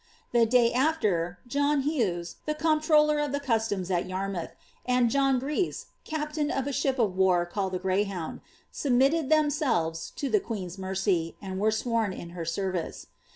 ^The day after, John . ^Dghea, the eomplroller of (he cusUitiis at Yarmouth, and John Grico, npUin of a ship of war called the Greyhoirnd, submitted Ihemxlft H» lh« qncen's mercy, snd were sworn in her service."